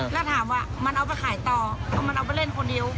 แล้วถามว่ามันเอาไปขายต่อเอามันเอาไปเล่นคนเดียว